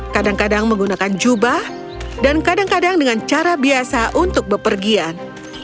kadang kadang menggunakan jubah dan kadang kadang dengan cara biasa untuk bepergian